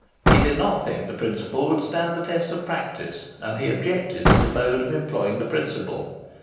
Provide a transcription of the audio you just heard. He did not think the principle would stand the test of practice, and he objected to the mode of applying the principle.